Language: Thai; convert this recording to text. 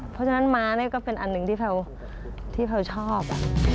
เพราะฉะนั้นม้านี่ก็เป็นอันหนึ่งที่เธอชอบ